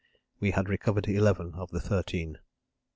We had recovered eleven of the thirteen."